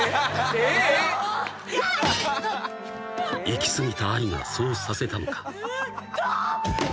［いき過ぎた愛がそうさせたのか］